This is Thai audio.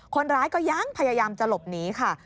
คนร้ายก็ยังพยายามจะหลบหนีค่ะ